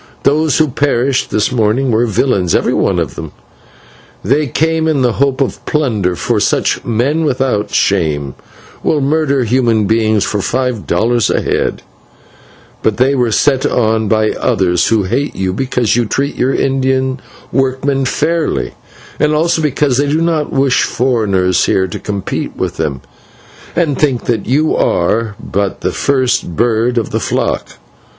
Those who perished this morning were villains, every one of them. They came in the hope of plunder, for such 'men without shame' will murder human beings for five dollars a head; but they were set on by others who hate you because you treat your Indian workmen fairly, and also because they do not wish foreigners here to compete with them, and think that you are but the first bird of the flock.